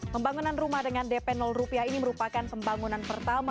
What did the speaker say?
pembangunan rumah dengan dp rupiah ini merupakan pembangunan pertama